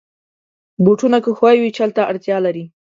بوټونه که ښوی وي، چل ته اړتیا لري.